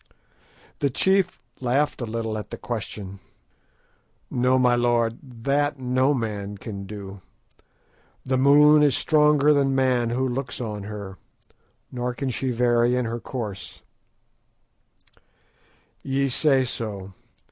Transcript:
The chief laughed a little at the question. "No, my lord, that no man can do. The moon is stronger than man who looks on her, nor can she vary in her courses." "Ye say so.